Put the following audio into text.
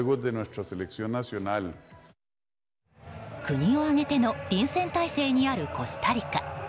国を挙げての臨戦態勢にあるコスタリカ。